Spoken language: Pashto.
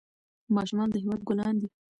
ماشومان د هېواد ګلان دي.